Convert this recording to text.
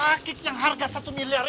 yang gitu dia nggak adanya panggilan